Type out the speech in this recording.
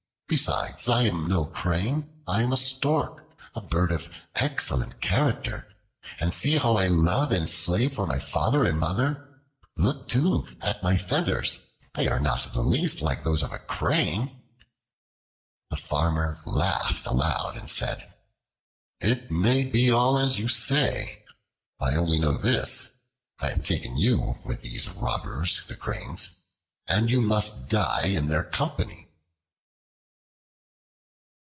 Besides, I am no Crane, I am a Stork, a bird of excellent character; and see how I love and slave for my father and mother. Look too, at my feathers they are not the least like those of a Crane." The Farmer laughed aloud and said, "It may be all as you say, I only know this: I have taken you with these robbers, the Cranes, and you must die in their company."